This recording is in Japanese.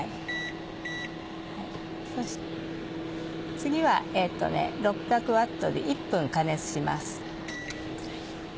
次は６００Ｗで１分加熱します。